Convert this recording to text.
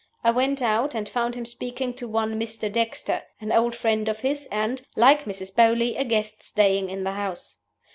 I went out, and found him speaking to one Mr. Dexter, an old friend of his, and (like Mrs. Beauly) a guest staying in the house.